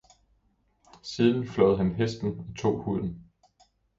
Siden flåede han hesten og tog huden.